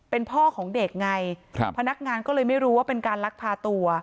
เป็นพ่อของเด็กไงพนักงานก็เลยไม่รู้ว่าเป็นการลักพาตัว